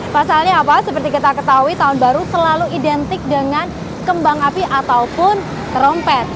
pasalnya apa seperti kita ketahui tahun baru selalu identik dengan kembang api ataupun trompet